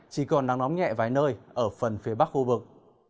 chỉ còn nắng nóng nhẹ vài nơi ở phần phía bắc khu vực